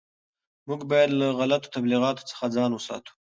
موږ باید له غلطو تبلیغاتو څخه ځان وساتو.